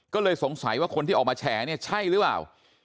ก็เลยสงสัยว่าคนที่ออกมาแฉเนี่ยใช่หรือเปล่า